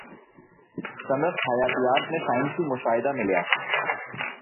سندس حياتيات ۾ سائنسي مشاهدا مليا